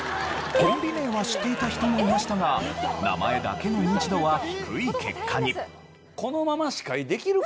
コンビ名は知っていた人もいましたが名前だけのニンチドは低い結果に。